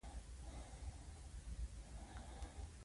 ځکه امیر پوهېدی چې لارډ لیټن د جنګ فیصله کړې ده.